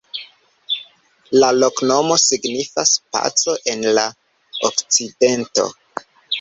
La loknomo signifas: "paco en la okcidento".